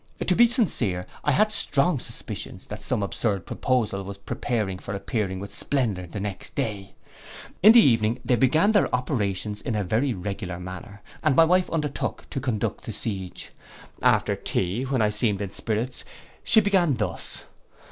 To be sincere, I had strong suspicions that some absurd proposal was preparing for appearing with splendor the next day. In the evening they began their operations in a very regular manner, and my wife undertook to conduct the siege. After tea, when I seemed in spirits, she began thus.